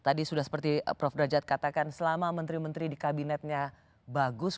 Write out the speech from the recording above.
jadi tadi sudah seperti prof rajat katakan selama menteri menteri di kabinetnya bagus